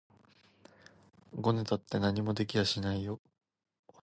ごねたって何も出て来やしないよ